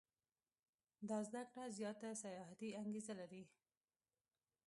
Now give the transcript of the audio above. دا زده کړه زیاته سیاحتي انګېزه لري.